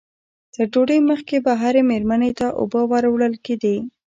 تر ډوډۍ مخکې به هرې مېرمنې ته اوبه ور وړل کېدې.